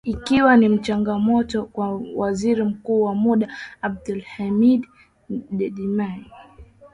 Ikiwa ni changamoto kwa Waziri Mkuu wa muda Abdulhamid Dbeibah.